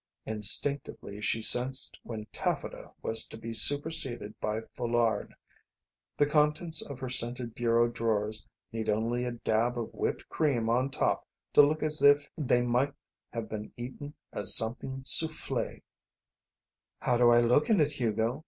Instinctively she sensed when taffeta was to be superseded by foulard. The contents of her scented bureau drawers needed only a dab of whipped cream on top to look as if they might have been eaten as something soufflé. "How do I look in it, Hugo?